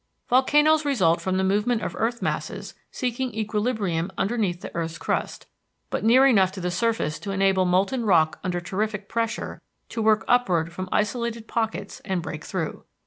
Volcanoes result from the movement of earth masses seeking equilibrium underneath earth's crust, but near enough to the surface to enable molten rock under terrific pressure to work upward from isolated pockets and break through.